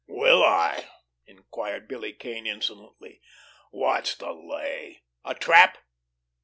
"Will I?" inquired Billy Kane insolently. "Whats the lay? A trap?"